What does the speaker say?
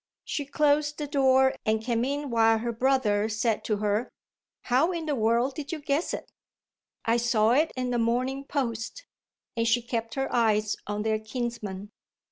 She closed the door and came in while her brother said to her, "How in the world did you guess it?" "I saw it in the Morning Post." And she kept her eyes on their kinsman.